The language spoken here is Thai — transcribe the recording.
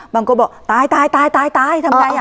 บางคนบอกตายทำไมอะ